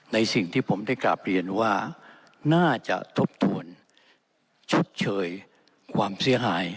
สิ่งที่ผมได้กราบเรียนว่าน่าจะทบทวนชดเชยความเสียหาย